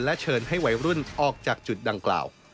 เชิญให้วัยรุ่นออกจากจุดดังกล่าว